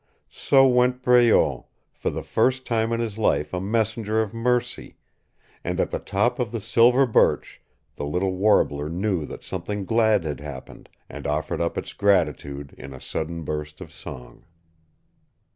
So went Breault, for the first time in his life a messenger of mercy; and at the top of the silver birch the little warbler knew that something glad had happened, and offered up its gratitude in a sudden burst of song.